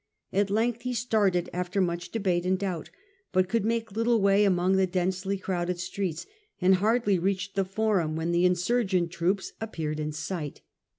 seTout'for At length he started, after much debate and » doubt, but could make little way among the densely crowded streets, and hardly reached the Forum, when the insurgent troops appeared in sight.